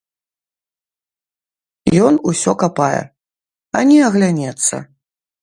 Ён усё капае, ані аглянецца.